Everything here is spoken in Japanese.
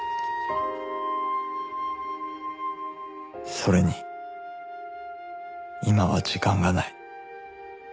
それに今は時間がない